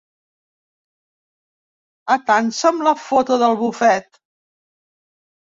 Atansa'm la foto del bufet.